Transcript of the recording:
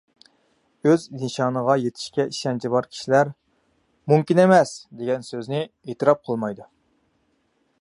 ئۆز نىشانىغا يېتىشكە ئىشەنچى بار كىشىلەر «مۇمكىن ئەمەس» دېگەن سۆزنى ئېتىراپ قىلمايدۇ.